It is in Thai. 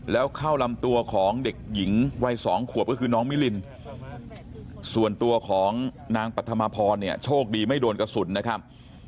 แล้วเข้าลำตัวของเด็กหญิงวัย๒ขวบก็คือน้องมิลินส่วนตัวของนางปัธมาพรเนี่ยโชคดีไม่โดนกระสุนนะครับ